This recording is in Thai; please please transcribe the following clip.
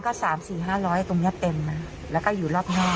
ก็๓๔๕๐๐ตรงนี้เต็มนะแล้วก็อยู่รอบนอก